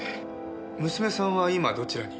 娘さんは今どちらに？